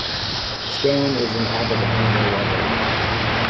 Stan is an avid animal lover.